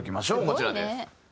こちらです。